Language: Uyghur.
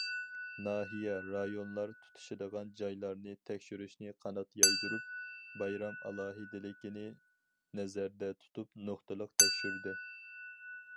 ناھىيە رايونلار تۇتىشىدىغان جايلارنى تەكشۈرۈشنى قانات يايدۇرۇپ، بايرام ئالاھىدىلىكىنى نەزەردە تۇتۇپ نۇقتىلىق تەكشۈردى.